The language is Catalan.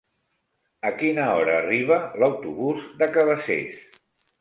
A quina hora arriba l'autobús de Cabacés?